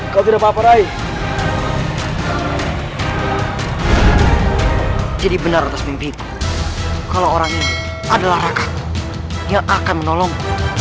kau tidak apa apa rai jadi benar mimpiku kalau orang ini adalah rakyat yang akan menolong